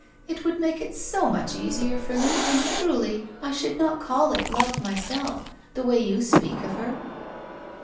It would make it so much easier for me, and truly, I should not call it Love, myself, the way you speak of her